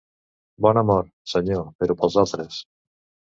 Bona mort, Senyor, però pels altres.